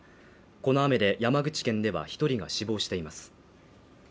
この雨で、山口県では１人が死亡しています。